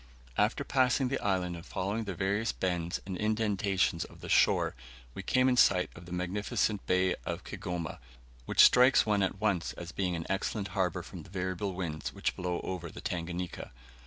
After passing the island and following the various bends and indentations of the shore, we came in sight of the magnificent bay of Kigoma, which strikes one at once as being an excellent harbor from the variable winds which blow over the Tanganika.